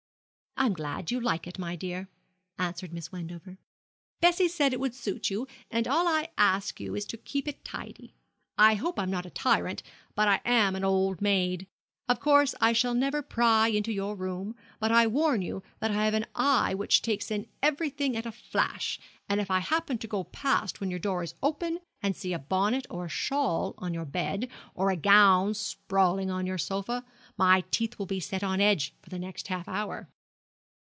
'I'm glad you like it, my dear, 'answered Miss Wendover. 'Bessie said it would suit you; and all I ask you is to keep it tidy. I hope I am not a tyrant; but I am an old maid. Of course, I shall never pry into your room; but I warn you that I have an eye which takes in everything at a flash; and if I happen to go past when your door is open, and see a bonnet and shawl on your bed, or a gown sprawling on your sofa, my teeth will be set on edge for the next half hour.'